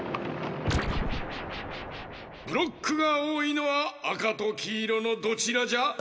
ブロックがおおいのはあかときいろのどちらじゃ？